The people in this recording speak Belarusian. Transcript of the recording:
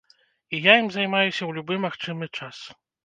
І я ім займаюся ў любы магчымы час.